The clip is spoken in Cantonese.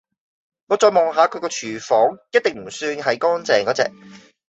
我再望下佢個"廚房"一定唔算係乾淨果隻